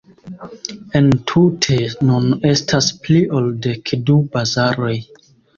Entute nun estas pli ol dekdu bazaroj.